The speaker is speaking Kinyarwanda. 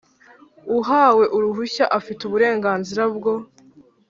Uhawe uruhushya afite uburenganzira bwo